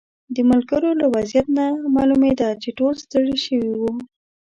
د ملګرو له وضعیت نه معلومېده چې ټول ستړي شوي وو.